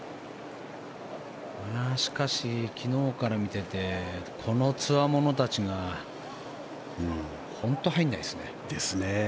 しかし、昨日から見ていてこのつわものたちが本当に入らないですね。